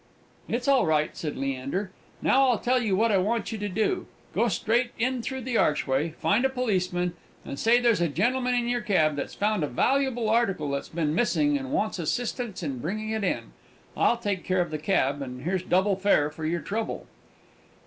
"It's all right," said Leander. "Now, I tell you what I want you to do: go straight in through the archway, find a policeman, and say there's a gentleman in your cab that's found a valuable article that's been missing, and wants assistance in bringing it in. I'll take care of the cab, and here's double fare for your trouble."